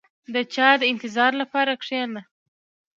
• د چا د انتظار لپاره کښېنه.